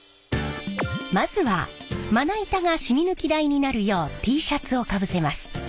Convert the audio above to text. まずはまな板がしみ抜き台になるようＴシャツをかぶせます。